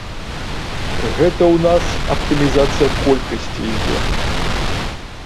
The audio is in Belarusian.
Гэта ў нас аптымізацыя колькасці ідзе.